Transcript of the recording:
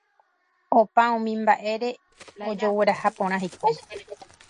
Opa umi mba'ére ojogueraha porã hikuái.